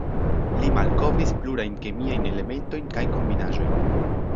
Li malkovris plurajn kemiajn elementojn kaj kombinaĵojn.